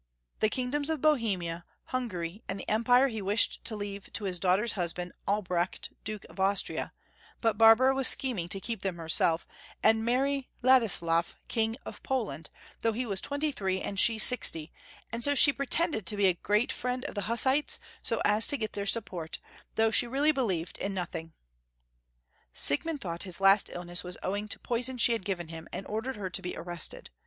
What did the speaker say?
The kingdoms of Bohemia, Hungary, and the Empire he wished to leave to his daughter's husband, Albrecht, Duke of Austria, but Barbara was scheming to keep them herself, and marry Ladislaf, King of Poland, though he was twenty three and she sixty, and so she pretended to be a great friend of the Hussites, so as to get their sup port, though she really believed in notliing. Siegmund thought his last illness was owing to poison she had given him and ordered licr to be arrested.